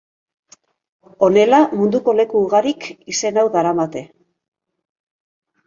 Honela, munduko leku ugarik izen hau daramate.